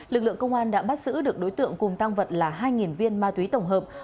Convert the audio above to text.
lực lượng công an đã bắt giữ được đối tượng cùng tăng vật là hai viên ma túy tổng hợp